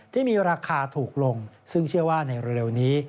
ที่มีราคาถูกลงซึ่งเชื่อว่าในเร็วนี้